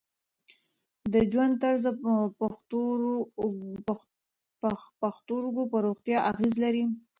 د ژوند طرز د پښتورګو پر روغتیا اغېز لري.